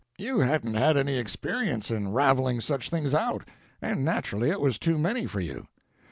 You hadn't had any experience in raveling such things out, and naturally it was too many for you.